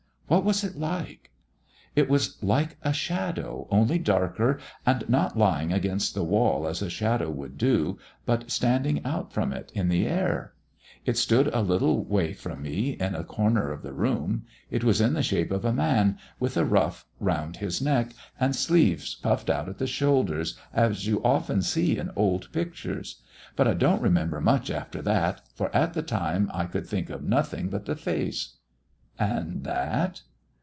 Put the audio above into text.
"What was it like?" "It was like a shadow, only darker, and not lying against the wall as a shadow would do, but standing out from it in the air. It stood a little way from me in a corner of the room. It was in the shape of a man, with a ruff round his neck, and sleeves puffed out at the shoulders, as you often see in old pictures; but I don't remember much about that, for at the time I could think of nothing but the face." "And that